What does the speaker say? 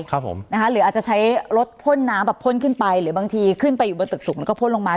ครับผมนะคะหรืออาจจะใช้รถพ่นน้ำแบบพ่นขึ้นไปหรือบางทีขึ้นไปอยู่บนตึกสูงแล้วก็พ่นลงมา